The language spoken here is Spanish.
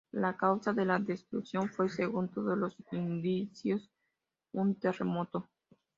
La causa de la destrucción fue, según todos los indicios, un terremoto.